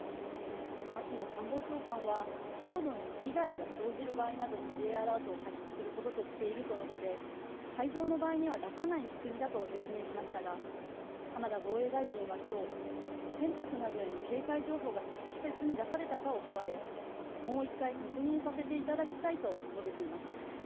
松野官房長官は、領土に被害が生じる場合などにＪアラートを発出することとしていると述べて海上の場合には出さない仕組みだと説明しましたが、浜田防衛大臣は今日、船舶などへの警戒情報が適切に出されたかを問われもう一回、確認させていただきたいと述べています。